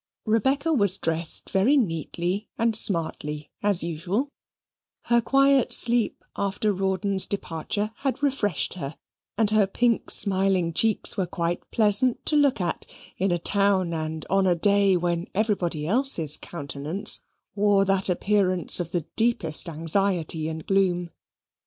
Rebecca was dressed very neatly and smartly, as usual: her quiet sleep after Rawdon's departure had refreshed her, and her pink smiling cheeks were quite pleasant to look at, in a town and on a day when everybody else's countenance wore the appearance of the deepest anxiety and gloom.